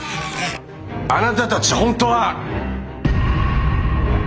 あなたたち本当は。